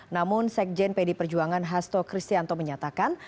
namun sekjen pd perjuangan hasto kristianto menyatakan